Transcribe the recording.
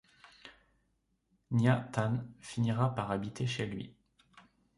Nya-tan finira par habiter chez lui.